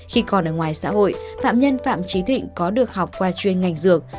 khi còn ở ngoài xã hội phạm nhân phạm trí thịnh có được học qua chuyên ngành dược